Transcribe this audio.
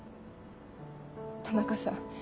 田中さん